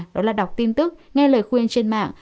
đó là đọc tin tức nghe lời khuyên trên mạng